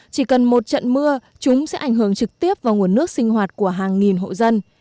chỉ cần một trận mưa chúng sẽ ảnh hưởng trực tiếp vào nguồn nước sinh hoạt của hàng nghìn hộ dân